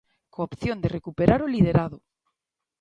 Coa opción de recuperar o liderado.